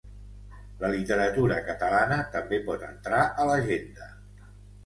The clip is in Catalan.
La literatura catalana també pot entrar a l'agenda.